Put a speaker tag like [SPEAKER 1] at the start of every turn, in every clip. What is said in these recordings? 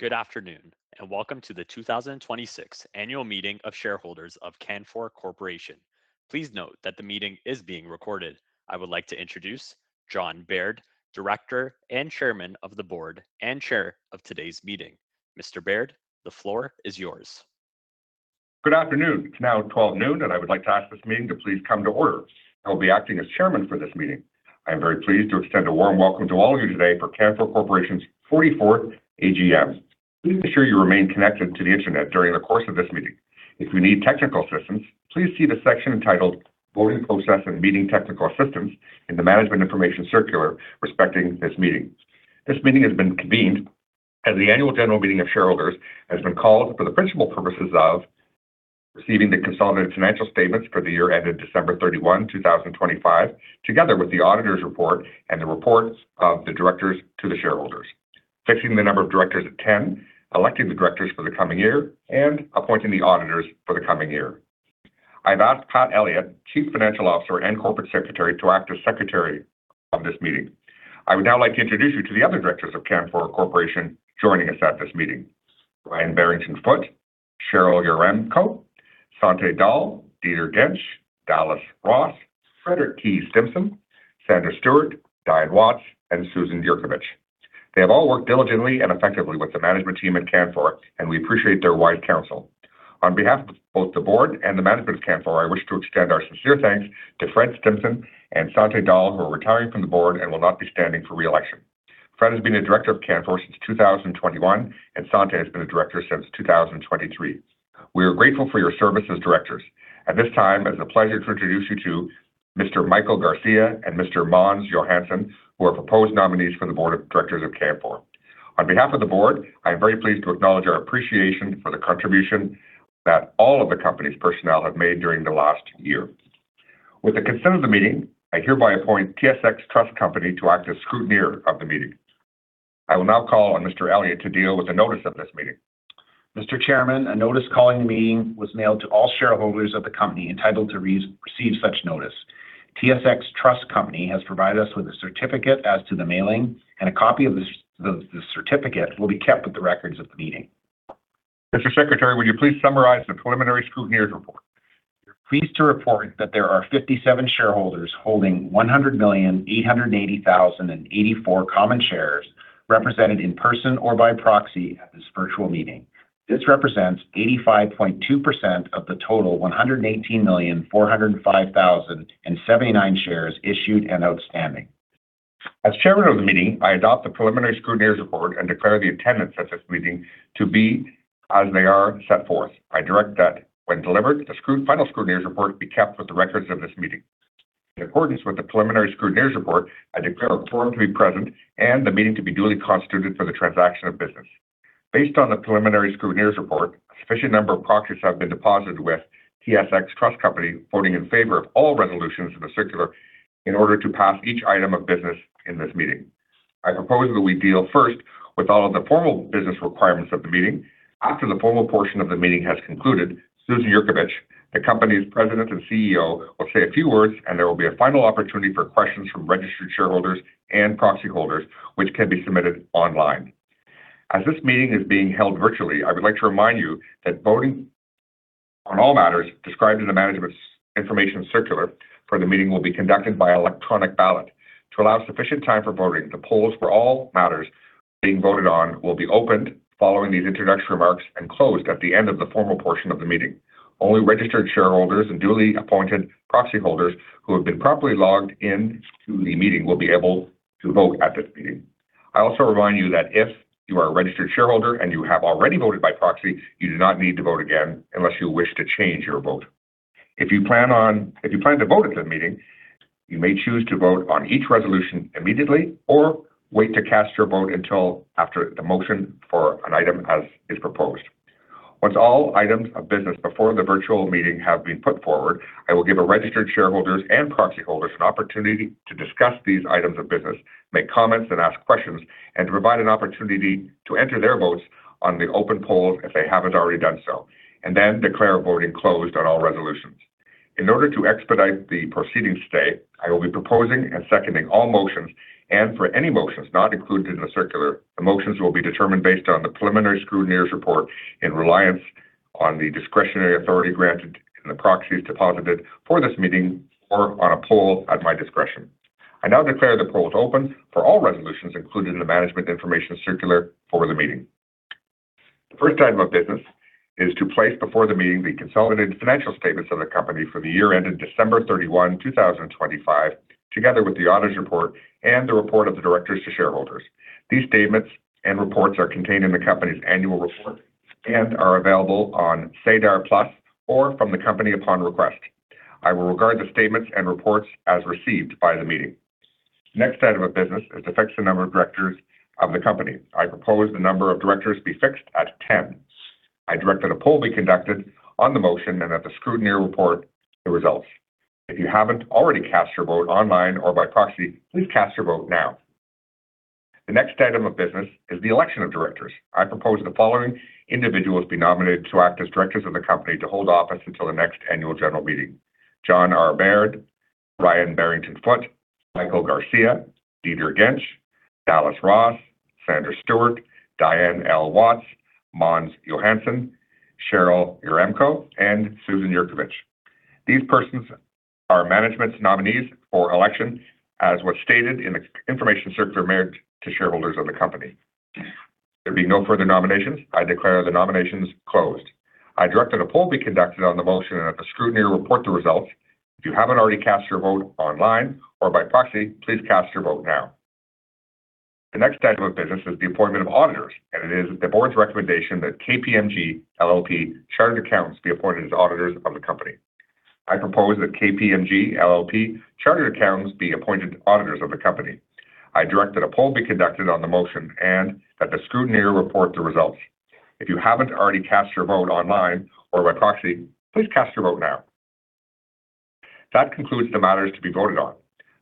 [SPEAKER 1] Good afternoon, and welcome to the 2026 Annual Meeting of Shareholders of Canfor Corporation. Please note that the meeting is being recorded. I would like to introduce John Baird, Director and Chairman of the Board and Chair of today's meeting. Mr. Baird, the floor is yours.
[SPEAKER 2] Good afternoon. It's now 12:00 P.M., and I would like to ask this meeting to please come to order. I will be acting as chairman for this meeting. I am very pleased to extend a warm welcome to all of you today for Canfor Corporation's 44th AGM. Please ensure you remain connected to the Internet during the course of this meeting. If you need technical assistance, please see the section entitled Voting Process and Meeting Technical Assistance in the management information circular respecting this meeting. This meeting has been convened as the annual general meeting of shareholders, has been called for the principal purposes of receiving the consolidated financial statements for the year ended December 31, 2025, together with the auditor's report and the reports of the directors to the shareholders. Fixing the number of directors at 10, electing the directors for the coming year, and appointing the auditors for the coming year. I've asked Pat Elliott, Chief Financial Officer and Corporate Secretary, to act as Secretary of this meeting. I would now like to introduce you to the other directors of Canfor Corporation joining us at this meeting. Ryan Barrington-Foote, Cheryl Yaremko, Santhe Dahl, Dieter Jentsch, Dallas Ross, Frederick T. Stimpson, Sandra Stuart, Dianne Watts, and Susan Yurkovich. They have all worked diligently and effectively with the management team at Canfor, and we appreciate their wise counsel. On behalf of both the board and the management of Canfor, I wish to extend our sincere thanks to Fred Stimpson and Santhe Dahl, who are retiring from the board and will not be standing for re-election. Fred has been a director of Canfor since 2021, and Santhe has been a director since 2023. We are grateful for your service as directors. At this time, it's a pleasure to introduce you to Mr. Michael Garcia and Mr. Måns Johansson, who are proposed nominees for the board of directors of Canfor. On behalf of the board, I am very pleased to acknowledge our appreciation for the contribution that all of the company's personnel have made during the last year. With the consent of the meeting, I hereby appoint TSX Trust Company to act as scrutineer of the meeting. I will now call on Mr. Elliott to deal with the notice of this meeting.
[SPEAKER 3] Mr. Chairman, a notice calling the meeting was mailed to all shareholders of the company entitled to re-receive such notice. TSX Trust Company has provided us with a certificate as to the mailing and a copy of the certificate will be kept with the records of the meeting.
[SPEAKER 2] Mr. Secretary, would you please summarize the preliminary scrutineer's report?
[SPEAKER 3] Pleased to report that there are 57 shareholders holding 100,880,084 common shares represented in person or by proxy at this virtual meeting. This represents 85.2% of the total 118,405,079 shares issued and outstanding.
[SPEAKER 2] As chairman of the meeting, I adopt the preliminary scrutineer's report and declare the attendance at this meeting to be as they are set forth. I direct that when delivered, the final scrutineer's report be kept with the records of this meeting. In accordance with the preliminary scrutineer's report, I declare a quorum to be present and the meeting to be duly constituted for the transaction of business. Based on the preliminary scrutineer's report, a sufficient number of proxies have been deposited with TSX Trust Company voting in favor of all resolutions in the circular in order to pass each item of business in this meeting. I propose that we deal first with all of the formal business requirements of the meeting. After the formal portion of the meeting has concluded, Susan Yurkovich, the company's President and CEO, will say a few words, and there will be a final opportunity for questions from registered shareholders and proxy holders, which can be submitted online. As this meeting is being held virtually, I would like to remind you that voting on all matters described in the management information circular for the meeting will be conducted by electronic ballot. To allow sufficient time for voting, the polls for all matters being voted on will be opened following these introductory remarks and closed at the end of the formal portion of the meeting. Only registered shareholders and duly appointed proxy holders who have been properly logged into the meeting will be able to vote at this meeting. I also remind you that if you are a registered shareholder and you have already voted by proxy, you do not need to vote again unless you wish to change your vote. If you plan to vote at this meeting, you may choose to vote on each resolution immediately or wait to cast your vote until after the motion for an item as is proposed. Once all items of business before the virtual meeting have been put forward, I will give our registered shareholders and proxy holders an opportunity to discuss these items of business, make comments, and ask questions and provide an opportunity to enter their votes on the open polls if they haven't already done so, then declare voting closed on all resolutions. In order to expedite the proceedings today, I will be proposing and seconding all motions, and for any motions not included in the circular, the motions will be determined based on the preliminary scrutineer's report in reliance on the discretionary authority granted in the proxies deposited for this meeting or on a poll at my discretion. I now declare the polls open for all resolutions included in the management information circular for the meeting. The first item of business is to place before the meeting the consolidated financial statements of the company for the year ended December 31, 2025, together with the auditor's report and the report of the directors to shareholders. These statements and reports are contained in the company's annual report and are available on SEDAR+ or from the company upon request. I will regard the statements and reports as received by the meeting. The next item of business is to fix the number of directors of the company. I propose the number of directors be fixed at 10. I direct that a poll be conducted on the motion and that the scrutineer report the results. If you haven't already cast your vote online or by proxy, please cast your vote now. The next item of business is the election of directors. I propose the following individuals be nominated to act as directors of the company to hold office until the next annual general meeting. John R. Baird, Ryan Barrington-Foote, Michael Garcia, Dieter Jentsch, Dallas Ross, Sandra Stuart, Dianne L. Watts, Måns Johansson, Cheryl Yaremko, and Susan Yurkovich. These persons are management's nominees for election as was stated in the information circular mailed to shareholders of the company. There being no further nominations, I declare the nominations closed. I direct that a poll be conducted on the motion and that the scrutineer report the results. If you haven't already cast your vote online or by proxy, please cast your vote now. The next stage of business is the appointment of auditors, and it is the board's recommendation that KPMG LLP Chartered Accountants be appointed as auditors of the company. I propose that KPMG LLP Chartered Accountants be appointed auditors of the company. I direct that a poll be conducted on the motion and that the scrutineer report the results. If you haven't already cast your vote online or by proxy, please cast your vote now. That concludes the matters to be voted on.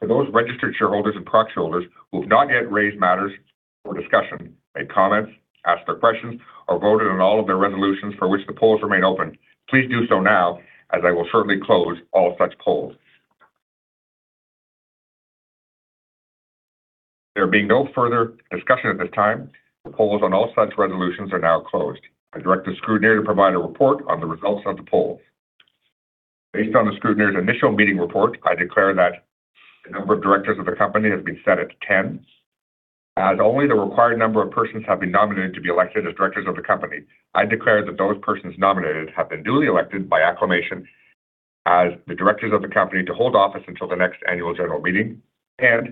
[SPEAKER 2] For those registered shareholders and proxy holders who have not yet raised matters for discussion, made comments, asked their questions, or voted on all of their resolutions for which the polls remain open, please do so now, as I will shortly close all such polls. There being no further discussion at this time, the polls on all such resolutions are now closed. I direct the scrutineer to provide a report on the results of the polls. Based on the scrutineer's initial meeting report, I declare that the number of directors of the company has been set at 10. As only the required number of persons have been nominated to be elected as directors of the company, I declare that those persons nominated have been duly elected by acclamation as the directors of the company to hold office until the next annual general meeting. That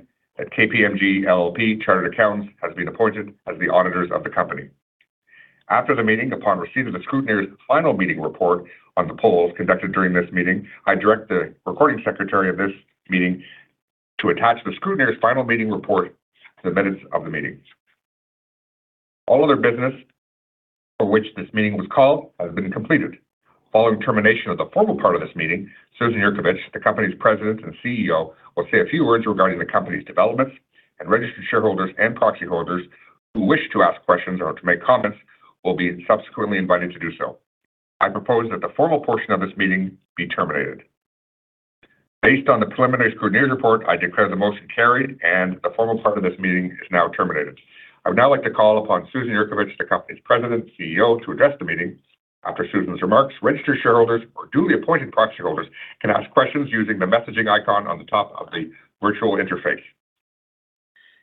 [SPEAKER 2] KPMG LLP Chartered Accountants has been appointed as the auditors of the company. After the meeting, upon receipt of the scrutineer's final meeting report on the polls conducted during this meeting, I direct the recording secretary of this meeting to attach the scrutineer's final meeting report to the minutes of the meeting. All other business for which this meeting was called has been completed. Following termination of the formal part of this meeting, Susan Yurkovich, the company's President and CEO, will say a few words regarding the company's developments, and registered shareholders and proxy holders who wish to ask questions or to make comments will be subsequently invited to do so. I propose that the formal portion of this meeting be terminated. Based on the preliminary scrutineer's report, I declare the motion carried, and the formal part of this meeting is now terminated. I would now like to call upon Susan Yurkovich, the company's president and CEO, to address the meeting. After Susan's remarks, registered shareholders or duly appointed proxy holders can ask questions using the messaging icon on the top of the virtual interface.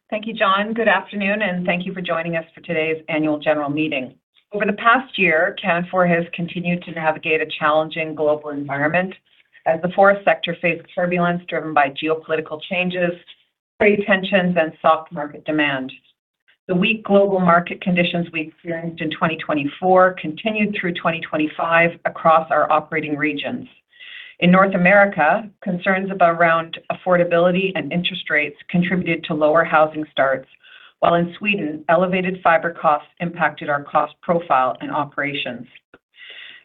[SPEAKER 4] Thank you, John. Good afternoon, and thank you for joining us for today's annual general meeting. Over the past year, Canfor has continued to navigate a challenging global environment as the forest sector faced turbulence driven by geopolitical changes, trade tensions, and soft market demand. The weak global market conditions we experienced in 2024 continued through 2025 across our operating regions. In North America, concerns about affordability and interest rates contributed to lower housing starts, while in Sweden, elevated fiber costs impacted our cost profile and operations.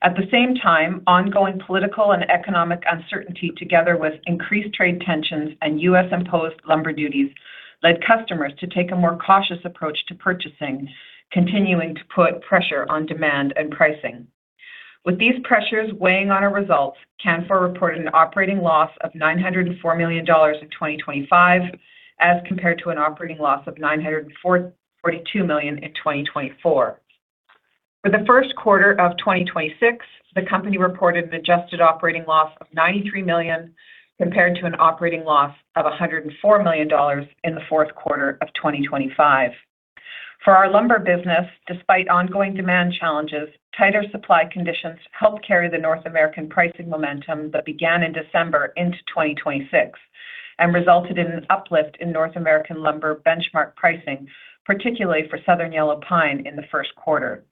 [SPEAKER 4] At the same time, ongoing political and economic uncertainty, together with increased trade tensions and U.S.-imposed lumber duties, led customers to take a more cautious approach to purchasing, continuing to put pressure on demand and pricing. With these pressures weighing on our results, Canfor reported an operating loss of 904 million dollars in 2025, as compared to an operating loss of 942 million in 2024. For the first quarter of 2026, the company reported an adjusted operating loss of 93 million, compared to an operating loss of 104 million dollars in the fourth quarter of 2025. For our lumber business, despite ongoing demand challenges, tighter supply conditions helped carry the North American pricing momentum that began in December into 2026 and resulted in an uplift in North American lumber benchmark pricing, particularly for southern yellow pine in the first quarter.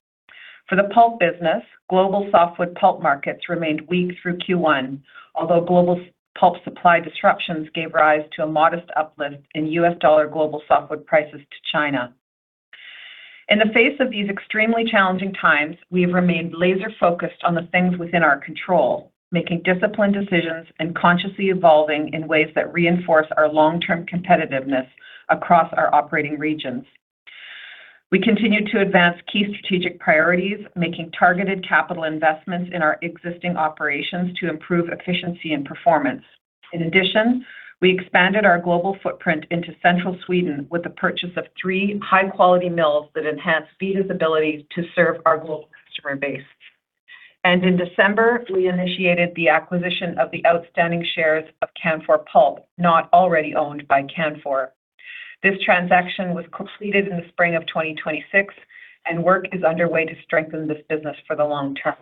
[SPEAKER 4] For the pulp business, global softwood pulp markets remained weak through Q1, although global pulp supply disruptions gave rise to a modest uplift in US dollar global softwood prices to China. In the face of these extremely challenging times, we've remained laser-focused on the things within our control, making disciplined decisions and consciously evolving in ways that reinforce our long-term competitiveness across our operating regions. We continued to advance key strategic priorities, making targeted capital investments in our existing operations to improve efficiency and performance. In addition, we expanded our global footprint into central Sweden with the purchase of three high-quality mills that enhance Vida's ability to serve our global customer base. In December, we initiated the acquisition of the outstanding shares of Canfor Pulp, not already owned by Canfor. This transaction was completed in the spring of 2026. Work is underway to strengthen this business for the long term.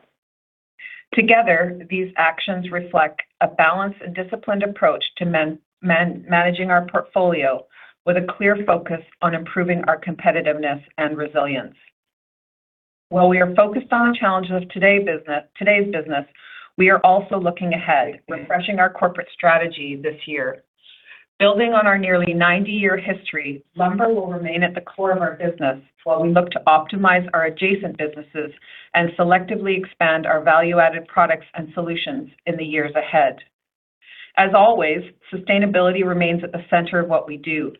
[SPEAKER 4] Together, these actions reflect a balanced and disciplined approach to managing our portfolio with a clear focus on improving our competitiveness and resilience. While we are focused on the challenges of today's business, we are also looking ahead, refreshing our corporate strategy this year. Building on our nearly 90-year history, lumber will remain at the core of our business while we look to optimize our adjacent businesses and selectively expand our value-added products and solutions in the years ahead. As always, sustainability remains at the center of what we do.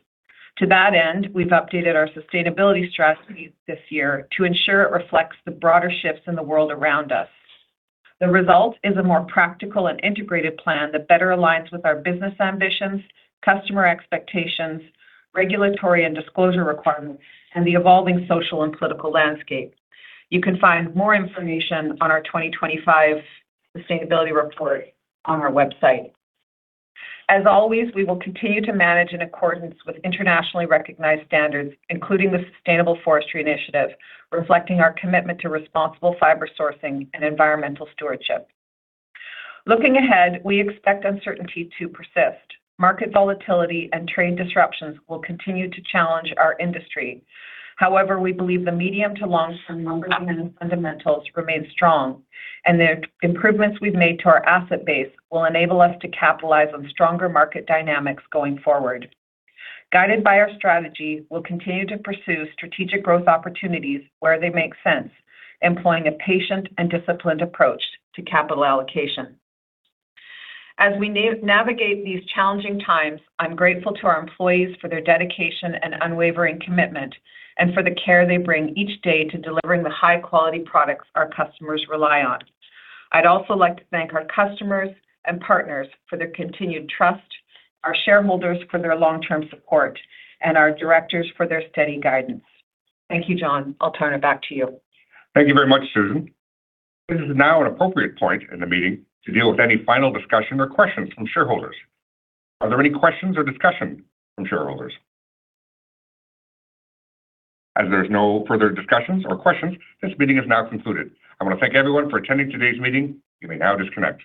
[SPEAKER 4] To that end, we've updated our sustainability strategy this year to ensure it reflects the broader shifts in the world around us. The result is a more practical and integrated plan that better aligns with our business ambitions, customer expectations, regulatory and disclosure requirements, and the evolving social and political landscape. You can find more information on our 2025 sustainability report on our website. As always, we will continue to manage in accordance with internationally recognized standards, including the Sustainable Forestry Initiative, reflecting our commitment to responsible fiber sourcing and environmental stewardship. Looking ahead, we expect uncertainty to persist. Market volatility and trade disruptions will continue to challenge our industry. We believe the medium to long-term lumber demand fundamentals remain strong, and the improvements we've made to our asset base will enable us to capitalize on stronger market dynamics going forward. Guided by our strategy, we'll continue to pursue strategic growth opportunities where they make sense, employing a patient and disciplined approach to capital allocation. As we navigate these challenging times, I'm grateful to our employees for their dedication and unwavering commitment and for the care they bring each day to delivering the high-quality products our customers rely on. I'd also like to thank our customers and partners for their continued trust, our shareholders for their long-term support, and our directors for their steady guidance. Thank you, John. I'll turn it back to you.
[SPEAKER 2] Thank you very much, Susan. This is now an appropriate point in the meeting to deal with any final discussion or questions from shareholders. Are there any questions or discussion from shareholders? As there's no further discussions or questions, this meeting is now concluded. I want to thank everyone for attending today's meeting. You may now disconnect.